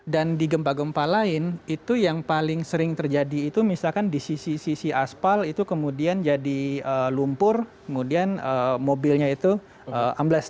dan di gempa gempa lain itu yang paling sering terjadi itu misalkan di sisi sisi aspal itu kemudian jadi lumpur kemudian mobilnya itu ambles